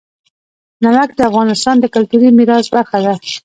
نمک د افغانستان د کلتوري میراث برخه ده.